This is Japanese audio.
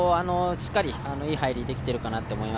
しっかりいい入りできているかなと思います。